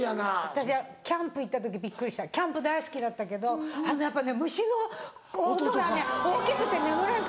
私キャンプ行った時びっくりしたキャンプ大好きだったけどやっぱね虫の音がね大きくて眠れなくてね